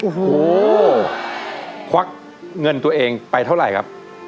โอ้โหควักเงินตัวเองไปเท่าไหร่ครับ